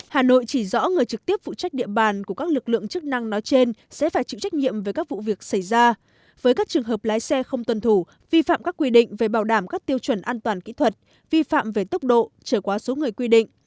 hà nội chỉ rõ người trực tiếp phụ trách địa bàn của các lực lượng chức năng nói trên sẽ phải chịu trách nhiệm với các vụ việc xảy ra với các trường hợp lái xe không tuân thủ vi phạm các quy định về bảo đảm các tiêu chuẩn an toàn kỹ thuật vi phạm về tốc độ trở quá số người quy định